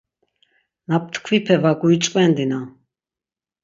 Na ptkvipe va guiç̌ǩvendina.